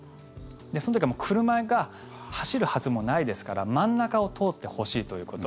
その時は車が走るはずもないですから真ん中を通ってほしいということ。